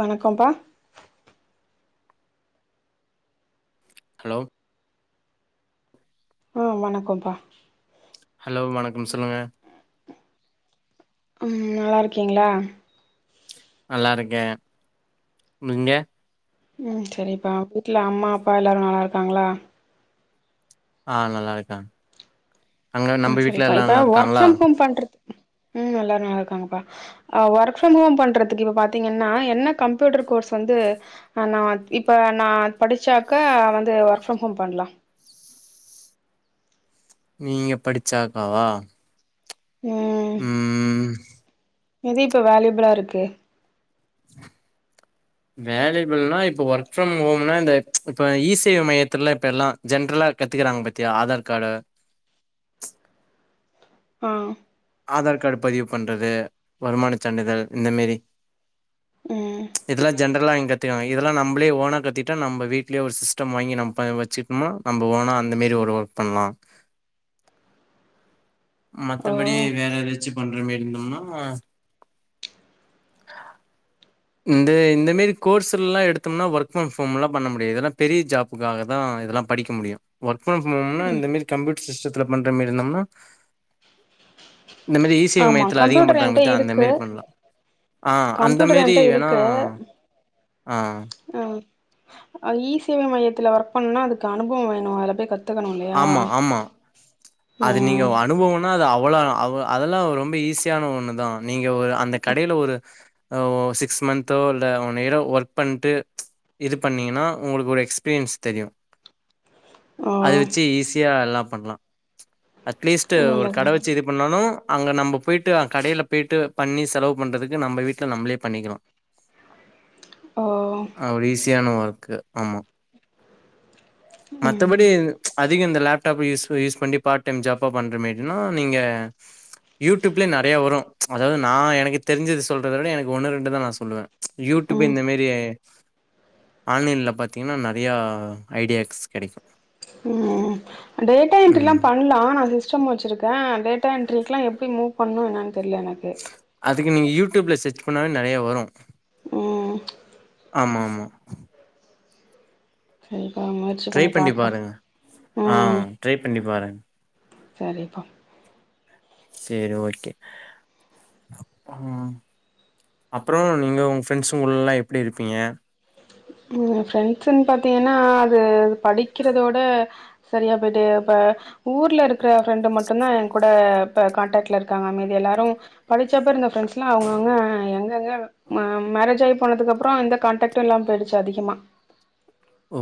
வணக்கம்ப்பா ஹலோ ஆ வணக்கொம்பா ஹலோ வணக்கம் சொல்லுங்க ம் நல்லாருக்கீங்ளா நல்லாருக்கே நீங்க ம் செரிப்பா வீட்ல அம்மா அப்பா எல்லாரு நல்லா இருக்காங்களா ஆ நல்லா இருக்காங்க அங்க ஆ நம்ம வீட்ல செரிப்பா எல்லா இப்ப நல்லா ஒர்க் இருக்காங்களா ஃப்ரம் ஹோம் பண்றது ம் எல்லாரு நல்லா இருக்காங்கப்பா அ ஒர்க் ஃப்ரம் ஹோம் பண்றதுக்கு இப்ப பாத்தீங்கன்னா என்ன கம்ப்யூட்டர் கோர்ஸ் வந்து ஆ நா இப்ப நா படிச்சாக்க வந்து ஒர்க் ஃப்ரம் ஹோம் பண்லா நீங்க படிச்சாக்காவா ம் ம் எது இப்ப வேலிபுளாருக்கு வேலிபுள்னா இப்போ ஒர்க் ஃப்ரம் ஹோம்னா இந்த ச் இப்ப ஈ சேவை மையத்லா இப்ப எல்லா ஜென்ரலா கத்துக்கிறாங்க பாத்தியா ஆதார் காடு ஆ ஆதார் கார்டு பதிவு பண்றது வருமான சான்றிதழ் இந்த மேரி ம் இதெல்லா ஜென்ரலா இங்கத் இதெல்லா நம்ளே ஓனா கத்துகிட்டா நம்ம வீட்லேயே ஒரு சிஸ்டம் வாங்கி நம்ம வச்சுகும்னா நம்ம ஓனா அந்த மேரி ஒரு பண்லா ஓ மத்தபடி வேற ஏதாச்சு பண்ற மேரி இருந்தோம்னா இந்த இந்த மேரி கோர்ஸ்லா எடுத்தோம்னா ஒர்க் ஃப்ரம் ஹோம்லா பண்ண முடியாது இதெல்லா பெரிய ஜாப் காக தா இதெல்லா படிக்க முடியு ஒர்க் ஃப்ரம் ஹோம்னா இந்த மேரி கம்ப்யூட்டர் சிஸ்டத்துல பண்ற மேரி இருந்தம்னா [unintelligible] ஆமா மையத்துல அதிகம் கம்ப்யூட்டர் பண்றாங்க என்ட பாத்தியா? அந்த இருக்கு மாரி பண்ணலாம். ஆ அந்த கம்ப்யூட்டர் மாரி என்ட வேணா இருக்கு ஆ ஆ இ சேவை மையத்துல ஒர்க் பண்ணா அதுக்கு அனுபவ வேணு அதுல போய் கத் ஆமா ஆமா அது நீங்க ம் அனுபோவோ னா அவ்ளோ அவ் அதெல்லா ரொம்ப ஈஸியான ஒண்ணுதா நீங்க ஒரு அந்த கடையில ஒரு ஓ சிக்ஸ் மந்தோ இல்ல ஒன் இயரோ ஒர்க் பண்ட்டு இது பண்ணிங்னா உங்குளுக்கு எக்ஸ்பீரியன்ஸ் தெரியு ஆ அது வச்சு ஈஸியா எல்லா பண்லா அட்லீஸ்ட் ஒரு நல்லது கட வச்சு இதுப் பண்ணாலு அங்க நம்ம போயிட்டு கடயில போயிட்டு பண்ணி செலவு பண்றதுக்கு நம்ப வீட்ல நம்பளே பண்ணிக்லா ஓ அது ஒரு ஈஸியான ஒர்க் ஆமா ம் மத்தபடி அதிக இந்த லேப்டாப் யூஸ் யூஸ் பண்ணி பாட் டைம் ஜாப்பா பண்ற மாரினா நீங்க யூடியூப்ல நெறய வரு அதாவது நா எனக்கு தெரிஞ்சத சொல்றத விட எனக்கு ஒண்ணு ரெண்டு தா நா சொல்லுவே யூட்டுப்பே ம் இந்த மேரிய ஆன்லைன்ல பாத்தீங்னா நெறையா ஐடியாஸ் கெடக்கு ம் டேட்டா என்ட்ரீலா ம் பண் ல ஆனா சிஸ்டம் வச்சிருக்கே டேட்டா என்ட்ரிகிலா எப்டி மூ பண்ணு என்னனு தெர்ல எனக்கு அதுக்கு நீங்க யூடியூப்ல சர்ச் பண்ணாவே நெறையா வரு ம் ஆமா ஆமா அமர்த் ட்ரை பண்ணி பாருங்க ஆ ட்ரை பண்ணி பாரு செரிப்பா சேரி ஓகே அப்பறோ அப்றோ நீங்க உங்க ஃப்ரெண்ட்சு கூல்லா எப்டி இருப்பீங்க ம் ஃப்ரெண்ட்ஸ்ன்னு பாத்தீங்கனா அது படிக்கிறதோட செரியா போயிட்டு அப் ஊர்ல இருக்ற ஃப்ரெண்டு மட்டுதா ஏ கூட இப்ப கான்டக்ட்ல இருக்காங்க மீதி எல்லாரு படிச்சப்ப இருந்த ஃப்ரண்ஸ்லா அவுங்க அவுங்க எங்க எங்க மேரேஜ் ஆயி போனதுக்கு அப்றோ எந்த காண்டக்டு இல்லாம போயிடுச் ச்சு அதிகமா ஓ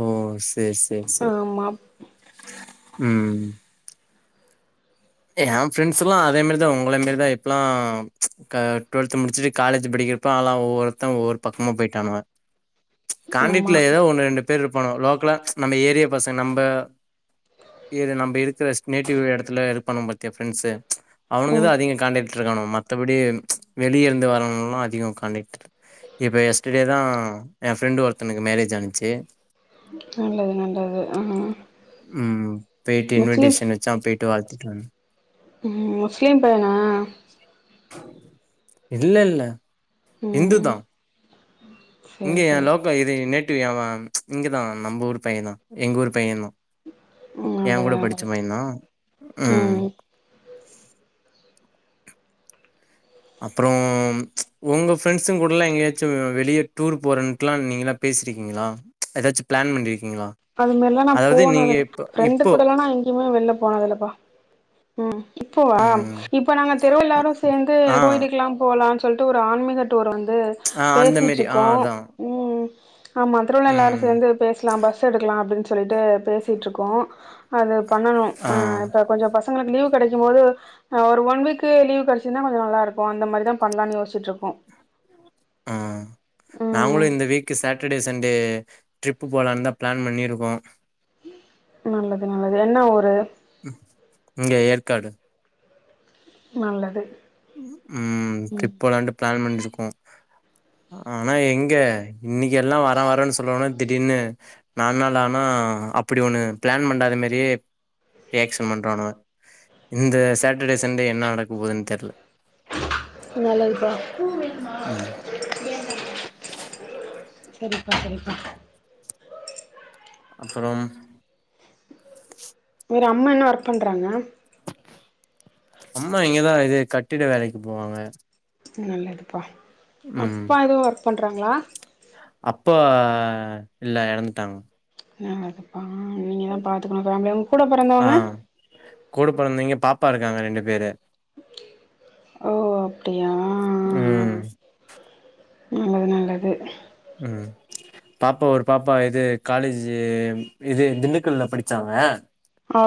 சேர் சேர் சேரி ஆமா, ம் எ ஃப்ரெண்ட்ஸ்லா அதே மாரி தா உங்கள மேரிதா இப்லா டொல்த் முடிச்சுட்டு காலேஜ் படிக்க இப்பாலா ஒவ்வொருத்த ஒவ்வொரு பக்கமா போய்டானுவ ஆமா. கான்டைக்ட்ல ஏதோ ஒன்னு ரெண்டு பேர் இருபானுவோ லோக்கலா நம்ப ஏரியா பசங்க நம்ப இது நம்ப இருக்குற நேட்டிவ் எடத்துல இருப்பானுங்க பத்தியா ஃப்ரண்ட்ஸ்ஸு அவனுங்கதா ம் அதிக காண்டக்ட் ருக்காணுங்கோ மத்தபடி வெளியே இருந்து வரவலா அதிகொ காண்டைக்ட் இப்ப எஸ்டடே தா என் ஃப்ரண்டு ஒருத்தனுக்கு மேரேஜ் ஆனுச்சி நல்லது நல்லது ஆ முஸ்லீம் சாம் பேய்ட்டு வாழ்த்திட்டுவந்த் ம் முஸ்லீம் பையனா இல்லல்ல இந்துதா [unintelligible] இங்க எஏ சரி. லோக்க இது நேட்டிவ் எவ இங்க தா நம்ப ஊர் பைய தா எங்க ஊரு பைய தா ம் ஏங் நல்லது கூட படிச்ச நல்லது. பையந்தா ம் அப்றோ உங்க ஃப்ரெண்ட்ஸூங்க கூடலா எங்கயாச்சு வெளிய டூர் போறன்ட்டுலா நீங்ளா பேசிருக்கீங்களா ஏதாச்சு பிளான் பண்ணிரிகீங்களா அது மாரிலா நா போனது ஃப்ரெண்டு கூடலா நா எங்கயுமே வெள்ள போனதுலப்பா ம் இப்போவா ம் இப்ப நாங்க தெருவ எல்லாரு சேந்து ஆ கோயிலுக்குலா போலான் சொல்ட்டு ஒரு ஆன்மீக டூர் வந்து ஆ அந்த மாரி ஆ பேசிட்ருக்கோ அதான் ம் ஆ மதுரன்ல்லாரு ம் சேந்து பேஸ்லா பஸ் ஸ எடுக்கலா அப்டின் சொல்லிட்டு பேசிட்ருக்கோ அது பண்ணனு ஆ அ எப்ப கொஞ்சொ பசங்களுக்கு லீவ் கெடைக்கும் போது அ ஒரு ஒன் வீக் லீவ் கெடைச்சிதுனா கொஞ்சோ நல்லா இருக்கூ அந்தமாரிதா பண்ணலான்னு யோசிசிட்ருக்கோ ஆ [inaudible] நாங்களு இந்த வீக்கு சாட்டர்டே சண்டே ட்ரிப்பு போலான் தா பிளான் பண்ணிருக்கோ நல்லது நல்லது என்ன ஊரு இங்க ஏர்க்காடு நல்லது ம் ட்ரிப் போலாண்ட்டு பிளான் பண்ணிருக்கோ ஆனா எங்க இன்னிக்கு எல்லா வரன் வரன்னு சொல்லுவானுங்க திடீர்னு நால்நாள் ஆனா அப்டி ஒண்ணு பிளான் பண்ணாத மாரியே ரியாக்ஸன் பண்றானுவ இந்த சேட்டர்டே சண்டே என்ன நடக்க போதுன் தெர்ல நல்லதுபா ம் சரிப்பா சரிப்பா அப்பறம் செரி அம்மா என்ன ஒர்க் பண்றாங்க அம்மா இங்கதா இது கட்டிட வேலைக்கு போவாங்க நல்லதுப்பா ம் அப்பா எதுவு ஒர்க் பண்றாங்ளா அப்பா இல்ல எறந்துட்டாங்க நல்லதுப்பா நீங்க தா பாத்துக்கணு ஃபேமிலிய உங்க கூட பிறந்தவுங்க கூடு பெறந்தைங்க பாப்பா இருக்காங்க இரண்டு பேரு ஓ அப்டியா ஆ ம் நல்லது நல்லது ம் பாப்பா ஒரு பாப்பா இது காலேஜு இது திண்டுக்கல்ல படிச்சாங்க ஆ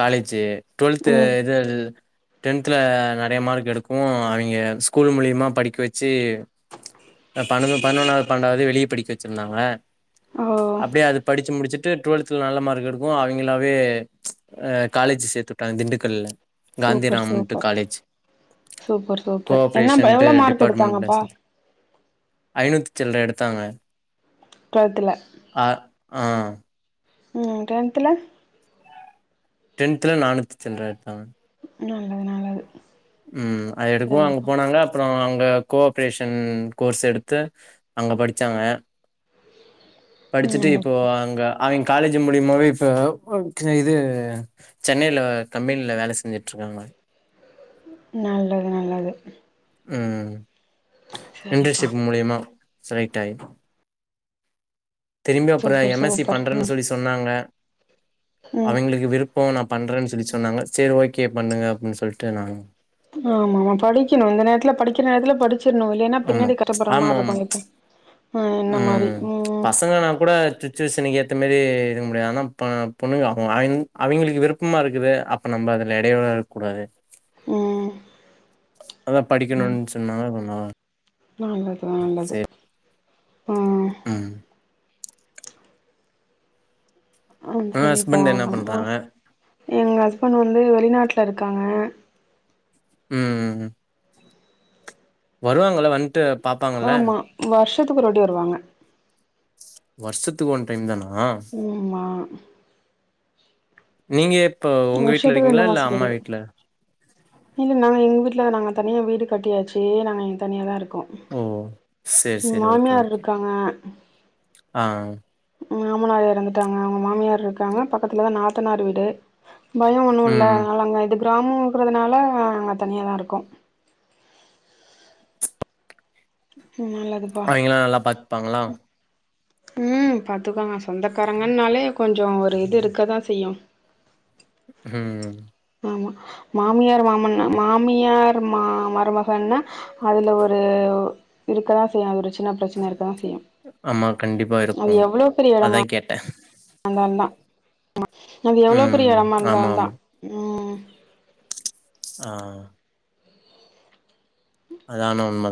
காலேஜு டுவல்த்து ம் இது அ டென்த்தில நறைய மார்க் எடுக்வு அவிங்ஞ ஸ்கூல் மூலியமா படிக்க வச்சி இந்த பன்னொ பன்னொன்னாவ்து பன்னண்டாவ்து வெளியே படிக்க வச்சிருந்தாங்க ஓ அப்டியே அது படிச்சு முடிச்சிட்டு டுவெல்த்ல நல்ல மார்க் எடுக்வு அவிங்களாவே வே அ காலேஜ் சேத்து வுட்டாங்க திண்டுக்கல்ல சூப்பர் காந்திராமன்ட்டு சூப்பர் காலேஜ் சூப்பர் சூப்பர் என்ன ப கோஆப்ரேஷன்ட்டு எவ்ளோ மார்க் டிபார்ட்மெண்ட் எடுத்தாங்கப்பா க்ளாஸு ஐநூத்தி சில்ர எடுத்தாங்க டுவெல்த்துல ஆ ம் ம் டென்த்துல டென்த்துல நானூத்தி சில்ற எடுத்தங்க நல்லது நல்ல ம் அது எடுக்கவு அங்க போனாங்களா அப்ற அங்க கோ ஆப்ரேஷன் கோர்ஸ் எடுத்து அங்க படிச்சாங்க [inaudible] படிச்சுட்டு இப்போ நல்லதுப்பா அங்க அவெங் காலேஜு மூலியமாவே இப்ப ஒரு சின்ன இது சென்னைல கம்பெனில வேல செஞ்சுட்ருக்காங்க நல்லது நல்லது ம் சரிப்பா இன்டர்ஷிப் மூலியமா செலக்ட்டாயி திரும்பி அப்ற super M S C super ஆ பண்றன் சொல்லி சொ சொன்னாங்க ம் அவெங்களுக்கு விருப் போ நா பண்றன் சொல்லி சொன்னாங்க சேரி ஓகே பண்ணுங்க அப்டின் சொல்ட்டு நா ஆமாம்மா படிக்கணு இந்த நேரத்துல படிக்கிற நேரத்துல படிச்சிற்ணு இல்லைனா ஆமா. பின்னாடி கஸ்ட்டப்பட்ற ஆமாமா. மார்ருக்கு என்ன ஆ என்ன மாரி ம் இல்லனா கூட தித் சீனனுக்கு ஏத்த மாரி இருக்க முடியாது ஆனா பா பொண்ணுங்க அவ அவிங் அவிங்களுக்கு விருப்பமா இருக்குது அப் இப்ப நம்ப அதுல இடையூறா இருக்க கூடாது ம் அதா ஆமா படிக்கணுன் சொன்னாங்க அப்ற நா நல்லது நல்லது ஆ ம். ஆ உங்க செரிப்பா ஹஸ்பண்ட் என்ன ஆ ஹா பண்றாங்க? எங்க ஹஸ்பண்ட் வந்து வெளிநாட்ல இருக்காங்க ம் வருவாங்கள வந்ட்டு ஆமா வர்ஷத்துக்கு ஒருவாட்டி வருவாங்க வர்ஷத்துக்கு ஒன் டைம் தானா ம்மா நீங்க எப்ப உங்க வீட்ல வருஷத்துக்கு ரெண்டு இருக்கீங்களா இல்ல மாச அம்மா லீவு வீட்ல இல்ல நாங்க எங்க வீட்ல நாங்க தனியா வீடு கட்டியாச்சு நாங்க இங்க தனியா தா இருக்கோ ஓ! சரி, ம் சரி. ஓகே, மாமியார் ஓகே. இருக்காங்க ஆ அ மாமனார் எறந்துட்டாங்க அவ்ங்க மாமியார் இருக்காங்க பக்கத்துலதா நாத்தனார் வீடு பயோ ஒன்னு இல்ல ம். அதனால அங்க இது கிராமோங்கிறதுனால அங்க தனிய தா இருக்கோ ம் நல்லது அவிங்கெலா நல்லா பாத்ப்பாங்களா ம் பாத்துக்குவாங்க சொந்தக்காரங்கன்னாலே கொஞ்ச ஒரு இது இருக்கதா செய்யு ம் ஆமா மாமியார் மாமன்னா மாமியார் ருமா மருமகன்னா அதுல ஒரு இருக்கதா செய்யு அது ஒரு சின்ன பிரச்சன இருக்கதா செய்யு ஆமா. கண்டிப்பா அது இருக்கும். எவ்ளோ பெரிய எடமா அதான் கேட்டேன். இருந்தால்ந்தா ஆமா அது எவ்ளோ ம். பெரிய எடமா இருந்தால்ந்தா ஆமாமா. ம் ஆ அதான உண்ம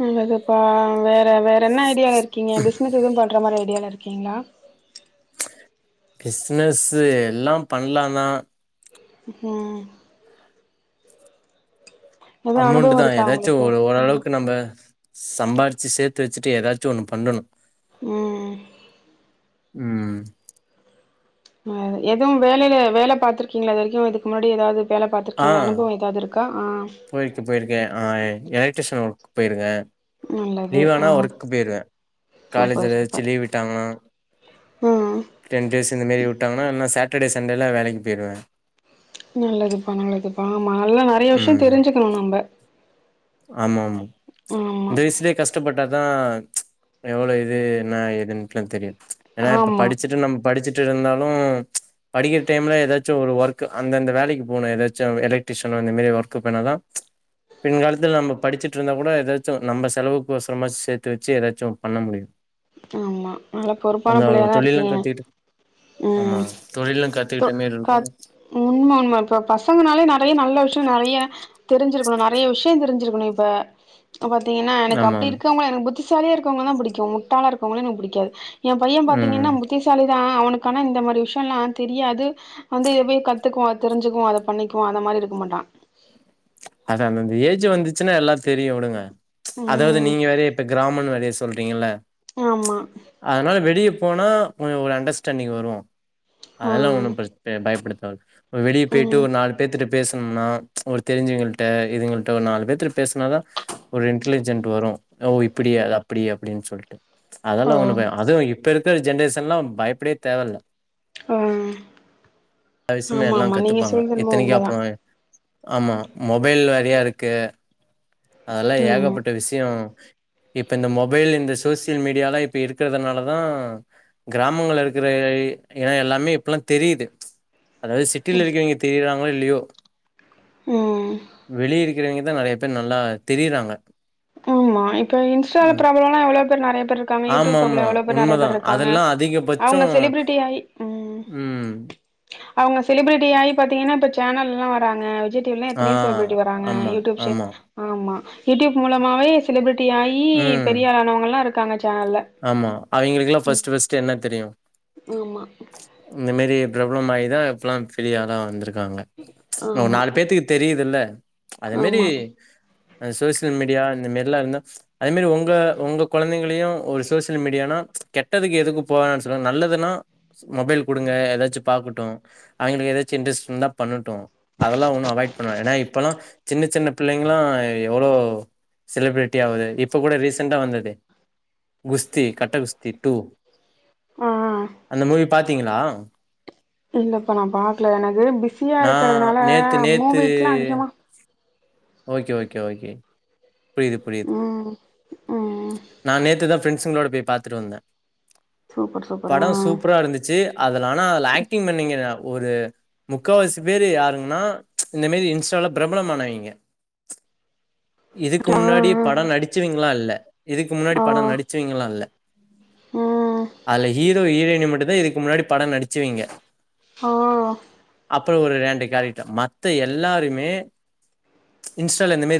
நல்லதுப்பா வேற வேற என்ன ஐடியால இருக்கீங்க பிஸ்னஸ் எது பண்ற மாரி ஐடியால இருக்கீங்ளா பிஸ்னஸ்ஸு எல்லா பண்லாந்தா ம் ம் எதும் அனுபவம் அமௌண்ட்டுதா இருக்கா எதாச்சு உங்களுக்கு ஒரு ஓரளவுக்கு நம்ப சம்பாரிச்சு சேத்து வச்சுட்டு ஏதாச்சு ஒண்ணு பண்ணணு ம் ம் எது வேலைல வேல பாத்ருக்கீங்களா இது வரைக்கு இதுக்கு முன்னாடி ஏதாது வேல பாத்துருக்கீங்களா அனுபவோ ஏதாது இருக் க்கா ஆ கோயிலுக்கு போய்ருக்கே ஆ எலக்ட்ரிஷன் ஒர்க்கு போய்ருக்கே நல்லது லீவ் ஆ ஆனா ஒர்க்கு போயிருவே காலேஜ்ல சூப்பர் ஏதாச்சு சூப்பர் லீ விட்டாங்கன்னா ம் டென் டேஸ் இந்த மாரி விட்டாங்கன்னா என்ன சாட்டர்டே சண்டேலா வேலைக்கு போயிருவே நல்லதுப்பா நல்லதுப்பா ஆமா நல்லா நெறைய விஷய ம் தெரிஞ்சுக்கணு நம்ம ஆமா ஆமா இந்த வயசிலே கஷ்டப்பட்டாதா எவ்ளோ இது என்ன ஏதுன்ட்லா தெரியு ஏன்னா இப்ப ஆமா படிச்சுட்டு நம்ம படிச்சுட்டு இருந்தாலு படிக்கிற டைம்ல ஏதாச்சு ஒரு ஒர்க் அந்தந்த வேலைக்கு போனு ஏதாச்சு எலக்ட்ரிஷியன் அந்த மாரி ஒர்க் போனாதா பெண்கள் இதுல நம்ம படிச்சுட்ருந்தா கூட ஏதாச்சு நம் செலவுக்கொசரமா சேத்து வச்சு ஏதாச்சு பண்ண முடியு ஆமா நல்லா பொறுப்பான புள்ளயாதா தொழிலும் இருக்கீங்க கத்துக்கிட்டு ஆமா ம் தொழிலு கத்துக்கிட்ட மேர்ருக்கு உண்ம உண்ம இப்ப பசங்கனாலே நெறைய நல்ல விஷ்யோ நெறைய தெரிஞ்சிருக்கணு நெறைய விஷ்யோ தெரிஞ்சிருக்கணு இப்ப பாத்தீங்கன்னா எனக்கு ஆமா அப்டி ஆமா இருக்கவங்கள எனக்கு புத்திசாலியா இருக்கவங்கள தா புடிக்கு முட்டாளா இருக்கவங்கள எனக்கு புடிக்காது எ பையே பாத்தீங்கன்னா ம் புத்திசாலி தா அவனுக்கு ஆனா இந்த மாரி விஷ்யோல்லா தெரியாது வந்து எப்யோ கத்துக்குவோ அத தெரிஞ்சுக்குவோ அத பண்ணிக்குவோ அந்த மாரி இருக்க மாட்டா அது அந்தந்த ஏஜ் வந்துச்சுன்னா எல்லா தெரியு விடுங்க அதாவது ம் நீங்க வேறயா இப்ப கிராமோனு நெறயா சொல்றீங்கல்ல ஆமா அதனால வெளிய போனா கொஞ்சோ ஒரு அண்டர்ஸ்டாண்டிங் வரு ஆ அதெல்லா ஒண்ணு பிரச் பயப்படுத்தேவல்ல வெளிய போய்ட்டு ம் ஒரு நாலு பேத்துட்ட பேசணுனா உங்களுக்கு தெரிஞ்சவய்ங்கள் ட்ட இதுங்கள்ட்ட ஒரு நாலு பேத்துட்ட பேசுனாதா ஒரு இன்டலிஜென்ட் வரு ஓ இப்டியா அது அப்டி அப்டின்னு சொல்ட்டு ஓ அதெல்லா‌ ஒண்ணு பயோ அதுவு இப்ப இருக்ற ஜென்ரேஷன்லா பயப்படே தேவல்ல ஆ எல்லா விஷ்யமு ஆமா எல்லா ஆமா நீங்க கத்துப்பாங்க சொல்றது என்னமோ இத்தனைக்கி அப்றோ உண்மதான் ஆமா மொபைல் நெறயாருக்கு அதெல்லா ஆமா ஏகப்பட்ட விஷ்யோ இப்ப இந்த மொபைல் இந்த சோசியல் மீடியாலா இப்ப இருக்றதுனால தா கிராமங்கள்ல இருக்குற எடோ எல்லாமே இப்பல்லா தெரிது அதாவது சிட்டில இருக்கவய்ங்க தெரிறாங்களோ இல்லயோ ம் வெளியரு க்குறவய்ங்கதா நெறைய பேர் நல்லா தெரிறாங்க ஆமா இப்போ இன்ஸ்டால பிரபலோலா எவ்ளோ பேரு நெறைய பேரு க்காங்க யூடியூப் ஆமா பிரபலோ ஆமா எவ்ளோ பேரு நெறைய உண்மதா பேரு இருக்காங்க அதெல்லா அதிகபட்சோ அவுங்க செலிபிரிட்டி ஆயி ம் ம் அவுங்க செலிபிரிட்டி ஆயி பாத்தீங்கன்னா இப்ப சேனல்லலா வராங்க விஜய் டீ வி லா ஆ எத்தனயோ செலிபிரிட்டி வராங்க ஆமா யூடியூப் ஆமா ஆமா யூடியூப் மூலமாவே செலிபிரிட்டி ஆயி ம் பெரியாளானவங்கலா இருக்காங்க சேனல் ஆமா அவிங்களுக்கெல்லா ஃபர்ஸ்ட்டு ஃபர்ஸ்ட்டு என்ன தெரியு ஆமா இந்த மேரி பிரபலமாயிதா இப்பல்லா ஃபெரியாளா வந்துருக்காங்க நோ ஆமா நாலு பேத்துக்கு தெரிதில்ல அது மேரி ஆமா அ சோசியல் மீடியா இந்த மேரில்லா இருந்தா அதே மேரி ஒங்க ஒங்க கொழந்தைங்களயு ஒரு சோசியல் மீடியானா கெட்டதுக்கு எதுக்கு போ வேணா சொல்லுவாங்க நல்லதுன்னா மொபைல் குடுங்க ஏதாச்சு பாக்கட்டு அவிங்களுக்கு ஏதாச்சு இன்ட்ரெஸ்ட் இந்தா பண்ணட்டு அதெல்லா ஒண்ணு அவாய்ட் பண்ணவே ஏன்னா இப்பெல்லா சின்ன சின்ன பிள்ளைங்ல்லா எவ்ளோ செலிபிரிட்டி ஆவுது இப்ப கூட ரீசெண்டா வந்தது குஸ்தி கட்ட குஸ்தி டூ ஆ அந்த மூவி பாத்தீங்ளா இல்ல இப்ப நா பாக்ல எனக்கு பிஸியா நா இருக்றதுனால நேத்து நேத்து மூவிக்லா அதிகமா ஓகே ஓகே ஓகே புரியிது புரியிது ம் ம் நா நேத்துதா ஃப்ரெண்ட்ஸுங்களோட போய் பாத்துட்டு வந்தே சூப்பர் சூப்பர் ஆ படோ சூப்பரா இருந்துச்சு அதுல ஆனா அதுல ஆக்டிங் பண்ணிக்கிற ஒரு முக்காவாசி பேரு யாருன்னா இந்த மாரி இன்ஸ்டால பிரபலமானவங்க இதுக்கு ஆ முன்னாடி படோ ஆ நடிச்சவய்ங்களா இல்ல இதுக்கு முன்னாடி ஓ படோ நடிச்சவய்ங்களா இல்ல ம் அதுல ஹீரோ ஹீரோயினி மட்டு தா இதுக்கு முன்னாடி படோ நடிச்சவய்ங்க ஆ அப்றோ ஒரு ரெண்டு கேரட்ரு மத்த எல்லாருமே இன்ஸ்டால இந்த மேரி